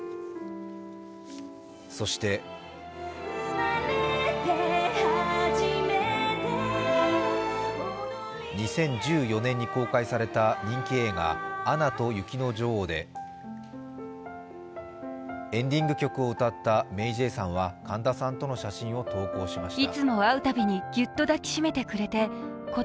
そして２０１４年に公開された人気映画「アナと雪の女王」でエンディング曲を歌ったＭａｙＪ．さんは神田さんとの写真を投稿しました。